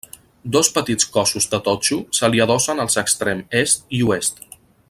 Dos petits cossos de totxo se li adossen als extrems est i oest.